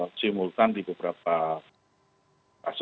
walaupun ada yang juga tidak memberikan eksepsi